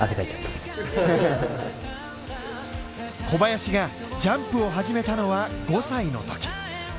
小林がジャンプを始めたのは５歳のとき。